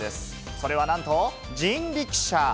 それはなんと、人力車！